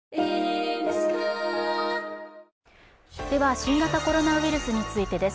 新型コロナウイルスについてです。